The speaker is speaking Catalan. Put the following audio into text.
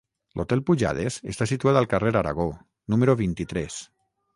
L'hotel Pujades està situat al carrer Aragó, número vint-i-tres.